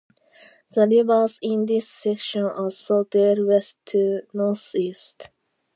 The rivers in this section are sorted west to north-east.